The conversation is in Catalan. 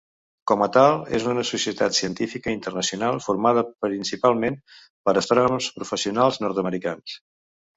Com a tal és una societat científica internacional formada principalment per astrònoms professionals nord-americans.